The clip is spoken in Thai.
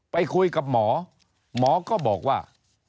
ไปคุยกับหมอหมอก็บอกว่า